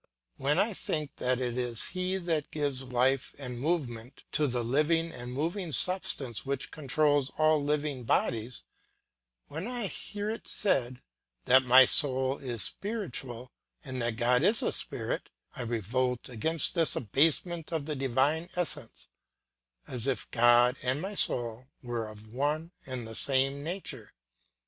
When I think that it is he that gives life and movement to the living and moving substance which controls all living bodies; when I hear it said that my soul is spiritual and that God is a spirit, I revolt against this abasement of the divine essence; as if God and my soul were of one and the same nature!